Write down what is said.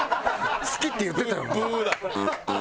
「好き」って言ってたよな？